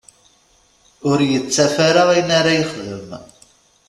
Ur yettaf ara ayen ara yexdem.